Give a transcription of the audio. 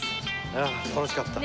楽しかった。